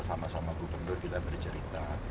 sama sama gubernur kita bercerita